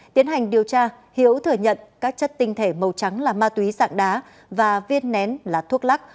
tiến hành điều tra hiếu thừa nhận các chất tinh thể màu trắng là ma túy dạng đá và viên nén là thuốc lắc